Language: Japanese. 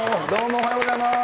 おはようございます。